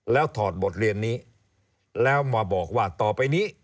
แล้วถอดบทเรียนนี้แล้วมาบอกว่าต่อไปนี้